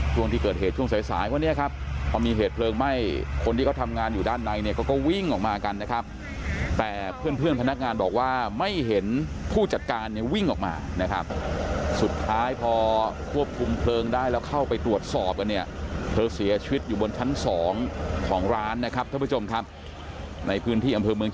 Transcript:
ช่วงที่เกิดเหตุช่วงสายสายวันนี้ครับพอมีเหตุเพลิงไหม้คนที่เขาทำงานอยู่ด้านในเนี่ยเขาก็วิ่งออกมากันนะครับแต่เพื่อนเพื่อนพนักงานบอกว่าไม่เห็นผู้จัดการเนี่ยวิ่งออกมานะครับสุดท้ายพอควบคุมเพลิงได้แล้วเข้าไปตรวจสอบกันเนี่ยเธอเสียชีวิตอยู่บนชั้นสองของร้านนะครับท่านผู้ชมครับในพื้นที่อำเภอเมือง